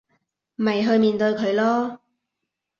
咪去面對佢囉